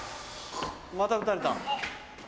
また撃たれた。